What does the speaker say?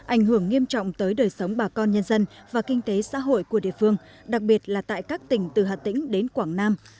ảnh hưởng nghiêm trọng tới đời sống bà con nhân dân và kinh tế xã hội của địa phương đặc biệt là tại các tỉnh từ hà tĩnh đến quảng nam